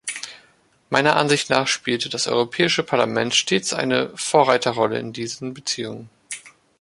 Meiner Ansicht nach spielte das Europäische Parlament stets eine Vorreiterrolle in diesen Beziehungen.